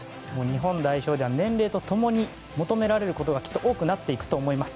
日本代表では年齢と共に求められることが多くなっていくと思います。